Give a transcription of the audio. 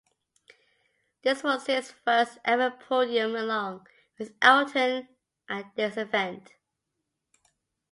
This was his first ever podium along with Elton at this event.